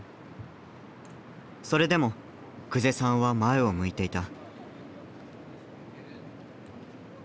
それでも久世さんは前を向いていた。